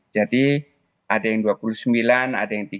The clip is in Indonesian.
jadi ada yang dua puluh sembilan ada yang tiga puluh itu masih dalam kondisi